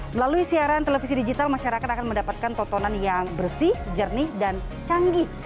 melalui siaran televisi digital masyarakat akan mendapatkan tontonan yang bersih jernih dan canggih